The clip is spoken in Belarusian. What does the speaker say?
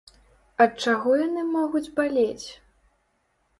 Ад чаго яны могуць балець?